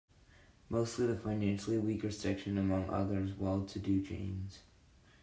Mostly the financially weaker section among otherwise well to do jains.